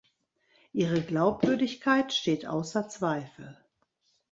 Ihre Glaubwürdigkeit steht außer Zweifel.